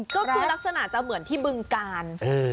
ก็คือลักษณะจะเหมือนที่บึงกาล